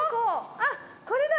あっ、これだ。